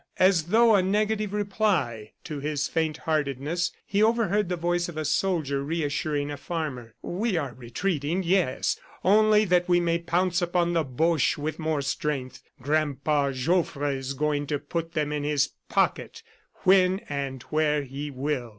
As though a negative reply to his faint heartedness, he overheard the voice of a soldier reassuring a farmer: "We are retreating, yes only that we may pounce upon the Boches with more strength. Grandpa Joffre is going to put them in his pocket when and where he will."